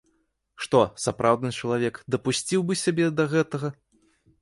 Што, сапраўдны чалавек дапусціў бы сябе да гэтага?